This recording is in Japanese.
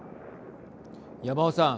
山尾さん。